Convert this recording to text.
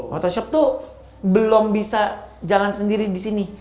photoshop tuh belum bisa jalan sendiri disini